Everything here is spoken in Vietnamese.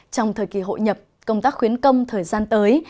trong thời kỳ hội nhập công tác khuyến công thời gian tới